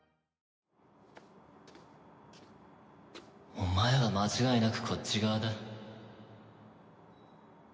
お前は間違いなくこっち側だ。